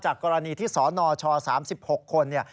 กรณีที่สนช๓๖คน